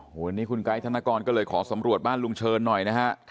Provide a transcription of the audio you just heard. วันนี้คุณไกด์ธนกรก็เลยขอสำรวจบ้านลุงเชิญหน่อยนะฮะ